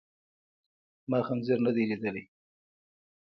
ما خنزير ندی لیدلی.